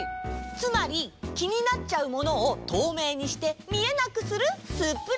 つまりきになっちゃうものをとうめいにしてみえなくするスプレー！